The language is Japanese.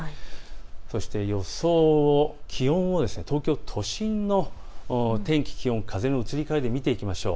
そして気温の予想、東京都心の天気、気温、風の移り変わりで見ていきましょう。